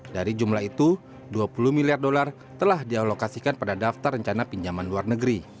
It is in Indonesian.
dari jumlah itu dua puluh miliar dolar telah dialokasikan pada daftar rencana pinjaman luar negeri